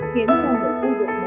khiến cho một khu vực nổi